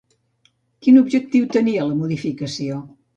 Quin objectiu tenia la modificació?